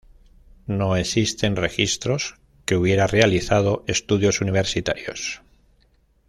No existen registros que hubiera realizado estudios universitarios.